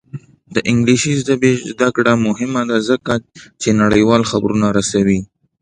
د انګلیسي ژبې زده کړه مهمه ده ځکه چې نړیوال خبرونه رسوي.